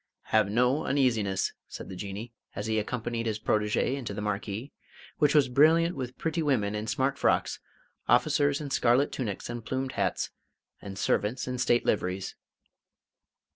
"Have no uneasiness," said the Jinnee, as he accompanied his protégé into the marquee, which was brilliant with pretty women in smart frocks, officers in scarlet tunics and plumed hats, and servants in State liveries.